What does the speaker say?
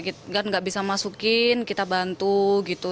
kita nggak bisa masukin kita bantu gitu